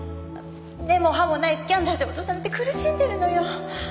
根も葉もないスキャンダルで脅されて苦しんでるのよ。